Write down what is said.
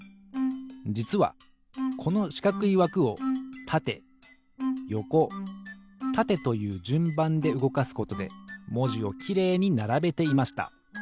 じつはこのしかくいわくをたてよこたてというじゅんばんでうごかすことでもじをきれいにならべていました。